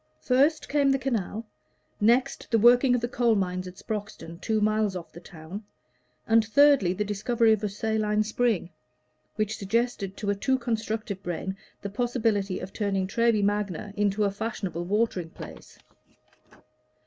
First came the canal; next, the working of the coal mines at Sproxton, two miles off the town; and thirdly, the discovery of a saline spring, which suggested to a too constructive brain the possibility of turning Treby Magna into a fashionable watering place.